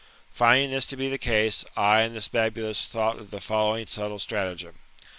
" Finding this to be the case, I and this Babulus thought of the following subtle stratagem.